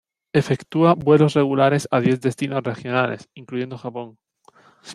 Efectúa vuelos regulares a diez destinos regionales, incluyendo Japón.